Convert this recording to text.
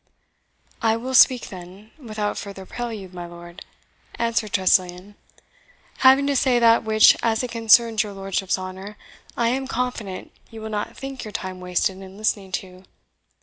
"I will speak, then, without further prelude, my lord," answered Tressilian, "having to say that which, as it concerns your lordship's honour, I am confident you will not think your time wasted in listening to.